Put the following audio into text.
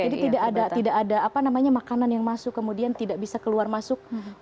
jadi tidak ada makanan yang masuk kemudian tidak bisa keluar masuk orang gaza